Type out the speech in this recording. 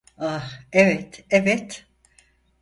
Ah, evet, evet.